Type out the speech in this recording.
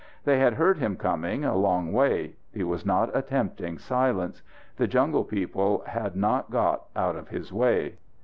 They had heard him coming a long way. He was not attempting silence. The jungle people had not got out of his way.